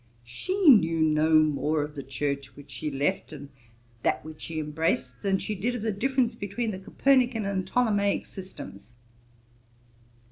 She knew no more of the Church which she left, and that which she embraced, than she did of the difference between the Copernican and Ptolemaick systems.'